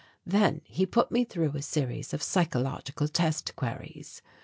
Then he put me through a series of psychological test queries.